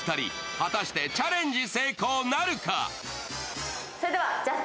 果たしてチャレンジ成功なるか。